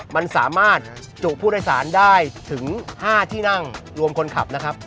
มันสามารถจุผู้โดยสารได้ถึง๕ที่นั่งรวมคนขับนะครับ